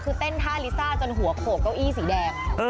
คือเต้นท่าลิซ่าจนหัวโขกเก้าอี้สีแดง